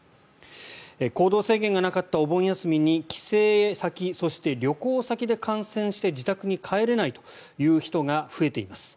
行動制限がなかったお盆休みに帰省先、そして旅行先で感染して自宅に帰れないという人が増えています。